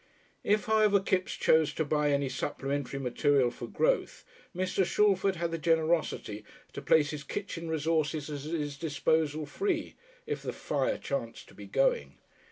If, however, Kipps chose to buy any supplementary material for growth, Mr. Shalford had the generosity to place his kitchen resources at his disposal free if the fire chanced to be going.